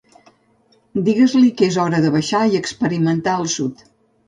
Digues-li que és hora de baixar i experimentar el sud.